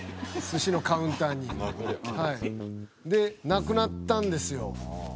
「亡くなったんですよ」